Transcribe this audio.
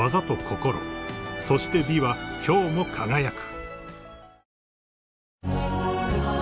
［そして美は今日も輝く］